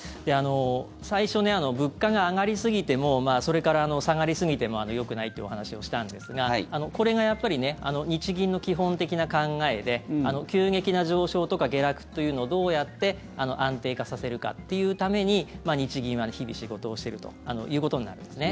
最初、物価が上がりすぎてもそれから下がりすぎてもよくないっていうお話をしたんですがこれがやっぱりね日銀の基本的な考えで急激な上昇とか下落というのをどうやって安定化させるかっていうために日銀は日々仕事をしているということになるんですね。